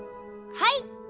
はい！